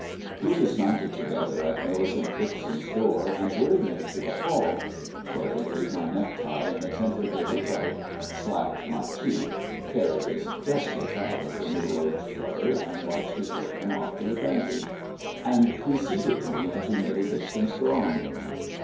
We dismounted together at Millicent Dixon's door, and were admitted to the hall. Carrie gave my necktie an attentive little tug, slapped my cheek (Carrie is justly proud of her middle aged brother, and likes to show him off to advantage), and preceded me into Millie Dixon's drawing room.